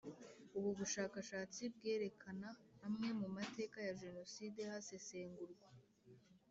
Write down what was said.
Ubu bushakashatsi bwerekana amwe mu mateka ya Jenoside hasesengurwa